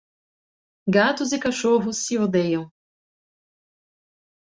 Gatos e cachorros se odeiam.